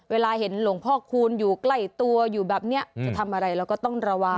เวลาเห็นหลวงพ่อคูณอยู่ใกล้ตัวอยู่แบบนี้จะทำอะไรเราก็ต้องระวัง